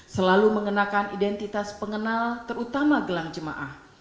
selalu mengenakan identitas pengenal terutama gelang jemaah